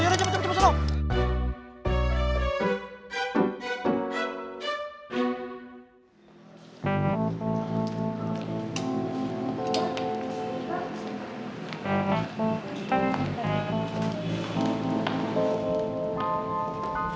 yaudah yaudah cepet cepet